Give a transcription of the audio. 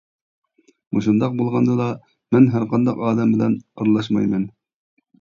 مۇشۇنداق بولغاندىلا، مەن ھەرقانداق ئادەم بىلەن ئارىلاشمايمەن.